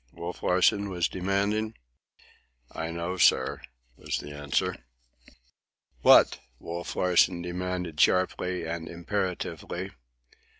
Wolf Larsen was demanding. "I know, sir," was the answer. "What?" Wolf Larsen demanded, sharply and imperatively.